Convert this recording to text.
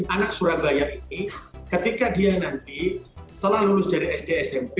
anak surabaya ini ketika dia nanti setelah lulus dari sd smp